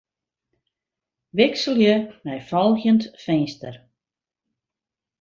Wikselje nei folgjend finster.